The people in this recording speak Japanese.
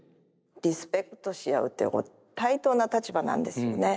リスペクトし合うって対等な立場なんですよね。